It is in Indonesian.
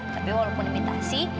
tapi walaupun imitasi